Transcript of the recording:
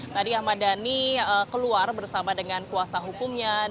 tadi ahmad dhani keluar bersama dengan kuasa hukumnya